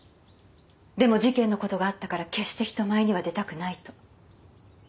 でも事件の事があったから決して人前には出たくないと。